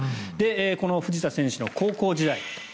この藤田選手の高校時代。